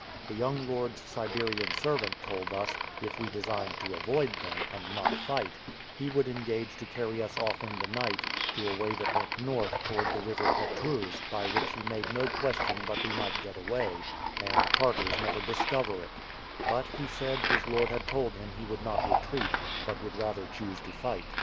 The young lord's Siberian servant told us, if we designed to avoid them, and not fight, he would engage to carry us off in the night, to a way that went north, towards the river Petruz, by which he made no question but we might get away, and the Tartars never discover it; but, he said, his lord had told him he would not retreat, but would rather choose to fight.